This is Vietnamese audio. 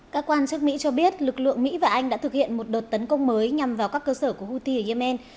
các quan chức mỹ cho biết lực lượng mỹ và anh đã thực hiện một đợt tấn công mới nhằm vào các cơ sở của houthi ở yemen